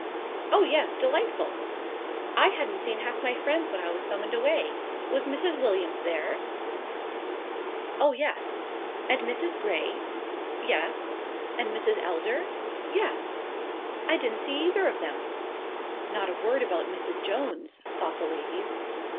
"Oh, yes. Delightful!" "I hadn't seen half my friends when I was summoned away. Was Mrs. Williams there?" "Oh, yes." "And Mrs. Gray?" "Yes." "And Mrs. Elder?" "Yes." "I didn't see either of them." "Not a word about Mrs. Jones," thought the ladies.